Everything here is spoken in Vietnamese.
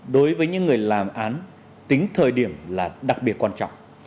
đối với những người làm án tính thời điểm là đặc biệt quan trọng